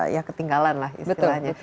ya ketinggalan lah istilahnya